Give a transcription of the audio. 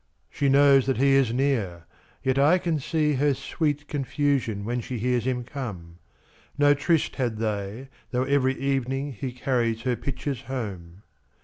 She knows that he is near, yet I can seeHer sweet confusion when she hears him come.No tryst had they, though every evening heCarries her pitchers home.